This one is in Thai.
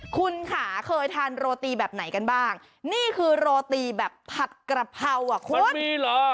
คุณค่ะเคยทานโรตีแบบไหนกันบ้างนี่คือโรตีแบบผัดกระเพราอ่ะคุณดีเหรอ